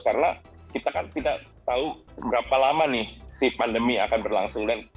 karena kita kan tidak tahu berapa lama nih si pandemi akan berlangsung